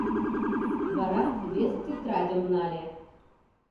Вара вес тетрадьым нале.